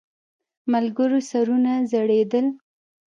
ملګرو سرونه ځړېدل.